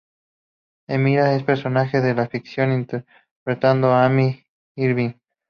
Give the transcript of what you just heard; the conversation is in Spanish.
Emily es un personaje de ficción interpretado por Amy Irving.